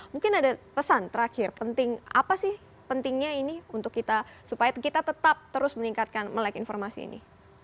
mungkin ada pesan terakhir apa sih pentingnya ini untuk kita supaya kita tetap terus meningkatkan melek informasi ini